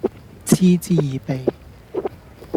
嗤之以鼻